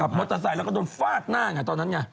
มอเตอร์ไซค์แล้วก็โดนฟาดหน้าไงตอนนั้นไง